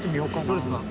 どれですか？